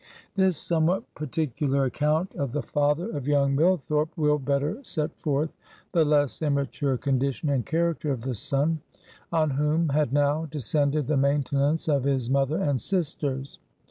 This somewhat particular account of the father of young Millthorpe, will better set forth the less immature condition and character of the son, on whom had now descended the maintenance of his mother and sisters.